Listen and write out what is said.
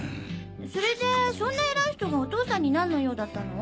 それでそんな偉い人がお父さんに何の用だったの？